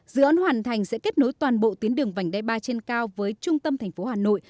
dự án hoàn thành sẽ kết nối toàn bộ tuyến đường vành đai ba trên cao với trung tâm thành phố hà nội